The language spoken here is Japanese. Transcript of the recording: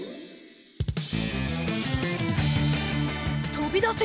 とびだせ！